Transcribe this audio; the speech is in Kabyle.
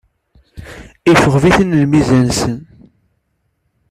Yecɣeb-iten lmizan-nsen.